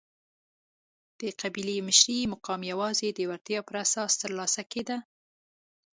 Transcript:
د قبیلې مشرۍ مقام یوازې د وړتیا پر اساس ترلاسه کېده.